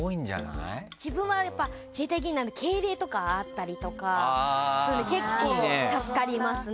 自分はやっぱ自衛隊芸人なんで敬礼とかあったりとかするんで結構助かりますね。